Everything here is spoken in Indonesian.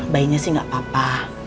bayinya sih nggak apa apa